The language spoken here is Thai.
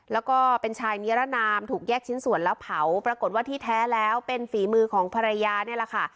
แล้วก็เป็นชายนิรนามถูกแยกชิ้นส่วนแล้วเผาปรากฏว่าที่แท้แล้วเป็นฝีมือของภรรยานี่แหละค่ะ